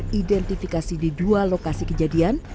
dengan hasil identifikasi di dua lokasi kejadian